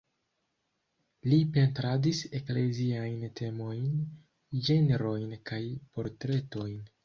Li pentradis ekleziajn temojn, ĝenrojn kaj portretojn.